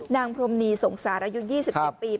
นางพรมนีสงสารอายุยี่สิบกี่ปีครับ